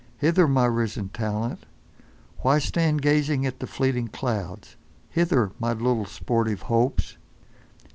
Hither! my risen Talent—why stand gazing at the fleeting clouds. Hither! my little sportive Hopes.